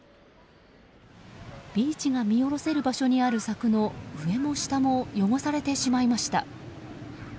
ビーチが見下ろせる場所にある柵の上も下も汚されてしまいました。